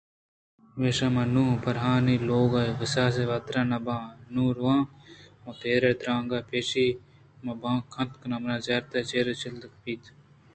پمیشا من نُوں پرآہانی لوگ ءُ گِساں واتر نہ باں ءُ نہ رَوَاں مَہ پرّیں ترٛانگاں پیشی مہ کن دردِیگ منارا زیات چرپ ءُ چانگال شکاری ئے ءِ دام ءَکبگے کپت ءُ مان